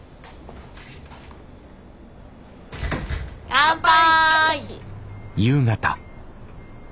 乾杯！